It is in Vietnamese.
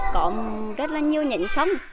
có rất là nhiều nhánh sông